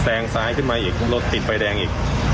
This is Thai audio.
งซ้ายขึ้นมาอีกรถติดไฟแดงอีก